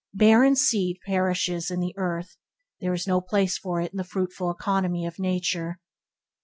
Barren seed perishes in the earth; there is no place for it in the fruitful economy of nature.